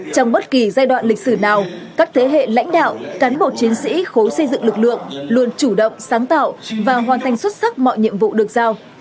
trong bất kỳ giai đoạn lịch sử nào các thế hệ lãnh đạo cán bộ chiến sĩ khối xây dựng lực lượng luôn chủ động sáng tạo và hoàn thành xuất sắc mọi nhiệm vụ được giao